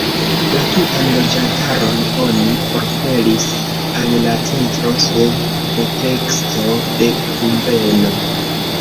La tutan loĝantaron oni forpelis al la centro sub preteksto de kunveno.